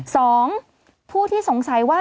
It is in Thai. สองผู้ที่สงสัยว่า